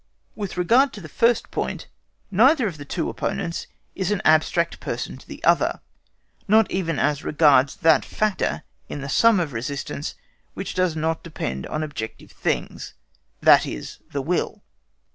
With regard to the first point, neither of the two opponents is an abstract person to the other, not even as regards that factor in the sum of resistance which does not depend on objective things, viz., the Will.